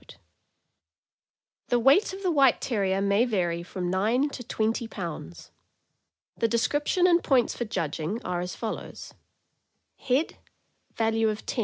The weight of the White Terrier may vary from nine to twenty pounds. The description and points for judging are as follows: Value. Value.